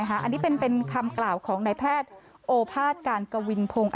อันนี้เป็นคำกล่าวของนายแพทย์โอภาษการกวินพงศ์